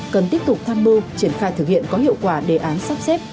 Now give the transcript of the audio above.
cần tiếp tục tham mưu triển khai thực hiện có hiệu quả đề án sắp xếp